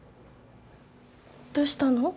どうしたの？